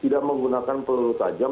tidak menggunakan peluru tajam